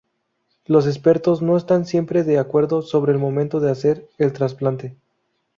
Los expertos no están siempre de acuerdo sobre el momento de hacer el trasplante.